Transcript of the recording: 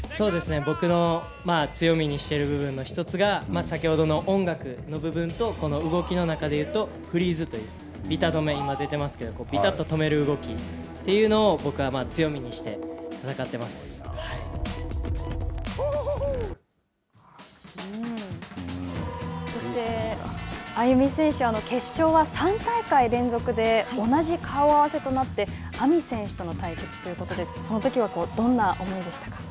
僕の強みにしている部分の一つが先ほどの音楽の部分と、この動きの中で言うと、フリーズという、ビタ止めが今、出ていますけど、びたっと止める動き、というのを僕は強みにして、そして、ＡＹＵＭＩ選手、決勝は３大会連続で、同じ顔合わせとなって、ＡＭＩ選手との対決ということで、そのときはどんな思いでしたか。